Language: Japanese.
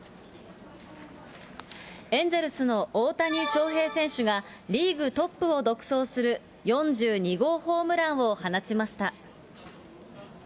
エンゼルスの大谷翔平選手が、リーグトップを独走する４２号ホームランを放ちました。